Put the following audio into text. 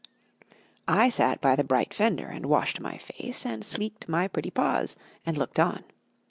I sat by the bright fender, and washed my face, and sleeked my pretty paws, and looked on.